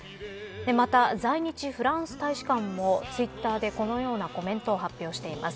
また、在日フランス大使館もツイッターでこのようなコメントを発表しています。